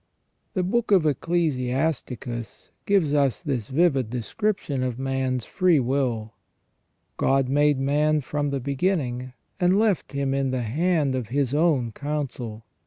* The Book of Ecclesiasticus gives us this vivid description of man's free will :" God made man from the beginning, and left him in the hand of his own counsel.